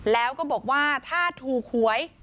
แล้วก็บอกว่าถ้าถูกหวย